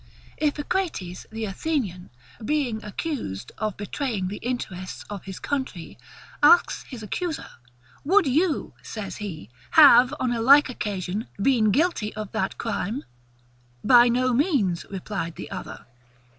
Iphicrates, the Athenian, being accused of betraying the interests of his country, asked his accuser, WOULD YOU, says he, HAVE, ON A LIKE OCCASION, BEEN GUILTY OF THAT CRIME? BY NO MEANS, replied the other.